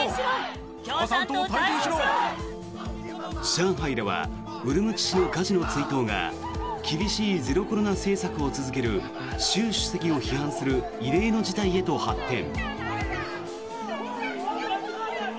上海ではウルムチ市の火事の追悼が厳しいゼロコロナ政策を続ける習主席を批判する異例の事態へと発展。